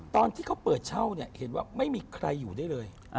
ตอนที่เขาเปิดเช่าเนี่ยเห็นว่าไม่มีใครอยู่ได้เลย